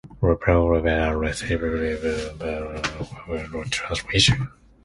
Lower power levels at receiver give less space for correctly picking the transmission.